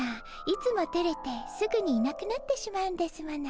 いつもてれてすぐにいなくなってしまうんですもの。